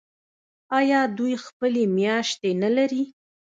آیا دوی خپلې میاشتې نلري؟